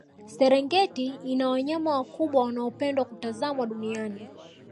serengeti ina wanyama wakubwa wanaopendwa kutazamwa duniani